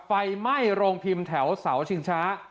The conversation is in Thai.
ไฟไหม้โรงพิมพ์แถวเสาชิงช้า